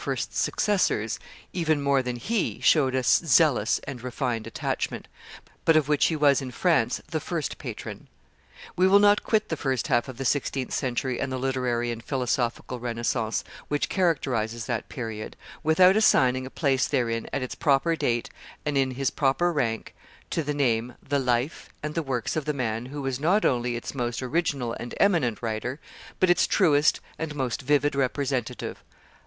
's successors, even more than he, showed a zealous and refined attachment, but of which he was, in France, the first patron. We will not quit the first half of the sixteenth century and the literary and philosophical Renaissance which characterizes that period, without assigning a place therein at its proper date and in his proper rank to the name, the life, and the works of the man who was not only its most original and most eminent writer, but its truest and most vivid representative, Rabelais.